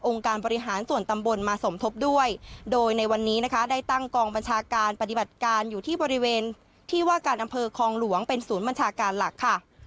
การบริหารส่วนตำบลมาสมทบด้วยโดยในวันนี้นะคะได้ตั้งกองบัญชาการปฏิบัติการอยู่ที่บริเวณที่ว่าการอำเภอคลองหลวงเป็นศูนย์บัญชาการหลักค่ะ